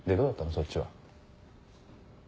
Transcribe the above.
そっちは？